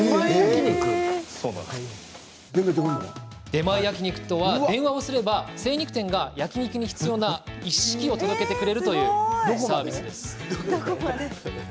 出前焼肉とは、電話をすれば精肉店が焼肉に必要な一式を届けてくれるというサービス。